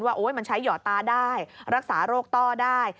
ว่ามันใช้หอดตาได้รักษาโรคต้อได้